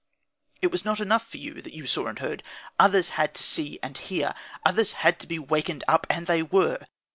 It was not enough for you that you saw and heard. Others had to see and hear. Others had to be wakened up. And they were!